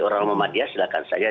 orang orang muhammadiyah silakan saja